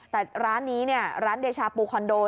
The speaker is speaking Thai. แต่ร้านนี้เนี่ยร้านเดชาปูคอนโด